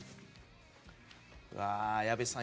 矢部さん